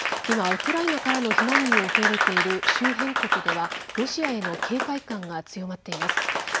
今ウクライナからの避難民を受け入れている周辺国ではロシアへの警戒感が強まっています。